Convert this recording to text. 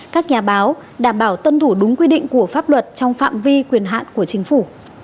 các nhà báo đảm bảo tuân thủ đúng quy định của pháp luật trong phạm vi quyền hạn của chính phủ